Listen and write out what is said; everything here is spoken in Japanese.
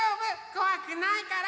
こわくないから。